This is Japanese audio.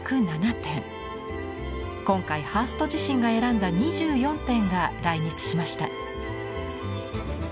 今回ハースト自身が選んだ２４点が来日しました。